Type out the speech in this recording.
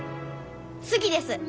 好きです。